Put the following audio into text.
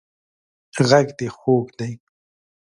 غږ دې خوږ دی